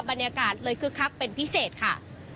บรรยากาศเลยคึกคักเป็นพิเศษค่ะ